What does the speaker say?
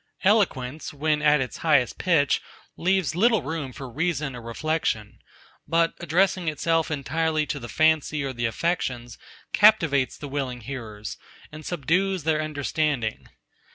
Eloquence, when at its highest pitch, leaves little room for reason or reflection; but addressing itself entirely to the fancy or the affections, captivates the willing hearers, and subdues their understanding.